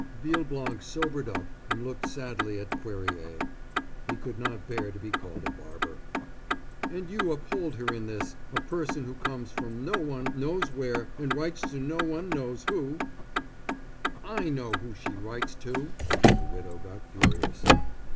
Villeblanc sobered up and look sadly at Cuerrier; he could not bear to be called a barber. "And you uphold her in this—a person who comes from no one knows where, and writes to no one knows who——" "I know who she writes to——" The widow got furious.